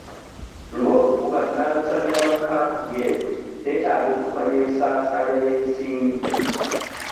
Ng'omu ku bannasangwa ba kampuni eno neetaga okumanya ensasaanya y'ensimbi.